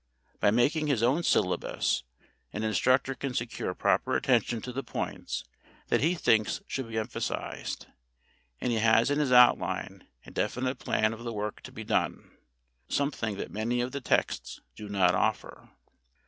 By making his own syllabus an instructor can secure proper attention to the points that he thinks should be emphasized, and he has in his outline a definite plan of the work to be done, something that many of the texts do not offer.